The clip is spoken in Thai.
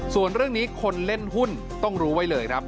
ส่วนเรื่องนี้คนเล่นหุ้นต้องรู้ไว้เลยครับ